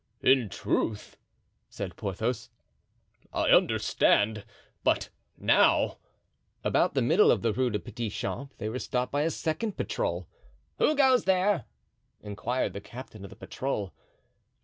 "In truth," said Porthos, "I understand; but now——" About the middle of the Rue des Petits Champs they were stopped by a second patrol. "Who goes there?" inquired the captain of the patrol.